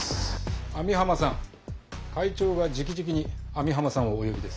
網浜さん会長がじきじきに網浜さんをお呼びです。